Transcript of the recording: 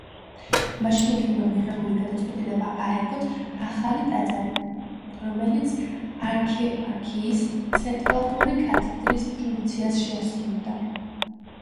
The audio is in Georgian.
მაშინ იქნება მიღებული გადაწყვეტილება აეგოთ ახალი ტაძარი, რომელიც არქიეპარქიის ცენტრალური კათედრის ფუნქციას შეასრულებდა.